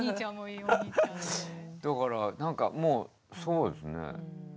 だからなんかもうそうですね。